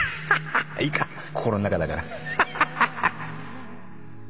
いいか心ん中だから